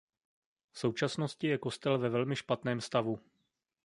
V současnosti je kostel ve velmi špatném stavu.